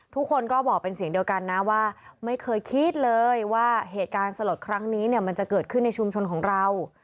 ทุกคนก็บอกเป็นเสียงเดียวกันนะว่าไม่เคยคิดเลยว่าเหตุการณ์สลดครั้งนี้เนี่ยมันจะเกิดขึ้นในชุมชนของเรา